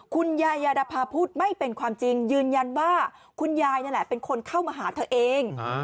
คุณยายยาดพาพูดไม่เป็นความจริงยืนยันว่าคุณยายนี่แหละเป็นคนเข้ามาหาเธอเอง